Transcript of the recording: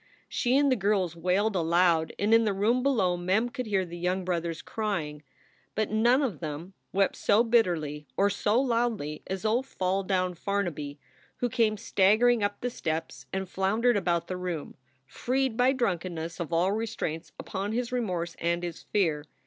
She and the girls wailed aloud, and in the room below Mem could hear the young brothers crying. But none of them wept so bitterly or so loudly as old Fall down Farnaby, who came staggering up the steps and floundered about the room, freed by drunkenness of all restraints upon his remorse and his fear.